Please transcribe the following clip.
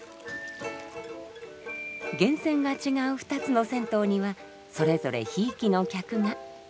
源泉が違う２つの銭湯にはそれぞれひいきの客が。